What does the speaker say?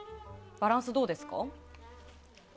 バランスどうですか？